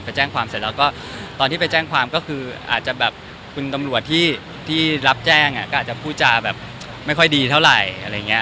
แจ้งความเสร็จแล้วก็ตอนที่ไปแจ้งความก็คืออาจจะแบบคุณตำรวจที่รับแจ้งก็อาจจะพูดจาแบบไม่ค่อยดีเท่าไหร่อะไรอย่างนี้